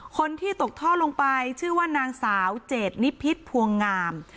คนที่ตกท่อลงไปชื่อว่านางสาวเจดนิพิษภวงงาม